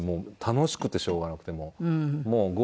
楽しくてしょうがなくてもう。